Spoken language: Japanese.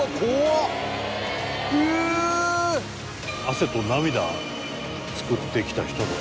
汗と涙造ってきた人の。